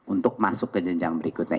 untuk masuk ke jenjang berikutnya